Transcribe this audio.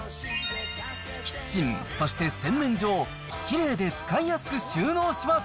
キッチン、そして洗面所をきれいで使いやすく収納します。